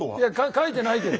書いてないけど。